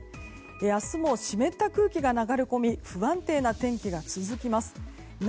明日も湿った空気が流れ込み不安定な天気が続きます。